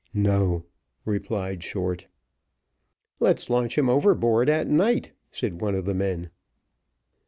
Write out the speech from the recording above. "No," replied Short. "Let's launch him overboard at night," said one of the men.